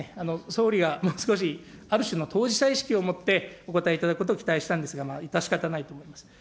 総理がもう少しある種の当事者意識を持って、お答えいただくことを期待したんですが、致し方ないと思います。